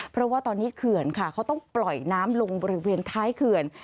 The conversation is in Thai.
เพราะว่าตอนนี้เขื่อนค่ะเขาต้องปล่อยน้ำลงบริเวณท้ายเขื่อน